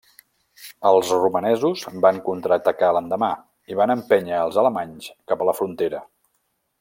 Els romanesos van contraatacar l'endemà, i van empènyer els alemanys cap a la frontera.